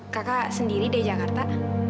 kakak sendiri deh jakarta